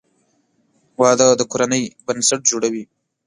• واده د کورنۍ بنسټ جوړوي.